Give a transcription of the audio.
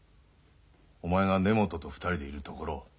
お前が根本と２人でいるところを。